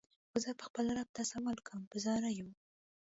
خو زه به خپل رب ته سوال کوم په زاریو.